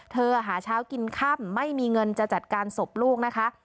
หาเช้ากินค่ำไม่มีเงินจะจัดการศพลูกนะคะ